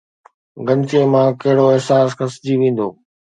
گنچي مان ڪهڙو احسان کسجي ويندو؟